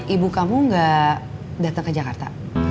ibu kamu gak datang ke jakarta